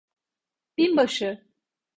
Binbaşı!